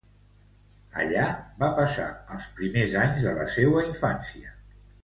Allà va passar els primers anys de la seua infància.